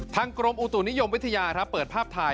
กรมอุตุนิยมวิทยาเปิดภาพถ่าย